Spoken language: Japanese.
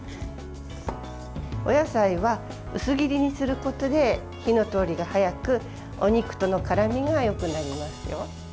お野菜は、薄切りにすることで火の通りが早くお肉との絡みがよくなりますよ。